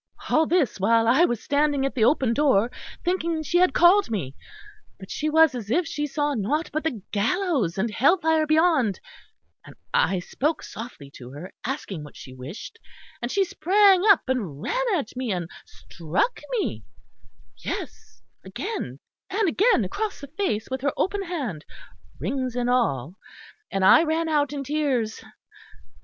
All this while I was standing at the open door, thinking she had called me; but she was as if she saw nought but the gallows and hell fire beyond; and I spoke softly to her, asking what she wished; and she sprang up and ran at me, and struck me yes; again and again across the face with her open hand, rings and all and I ran out in tears.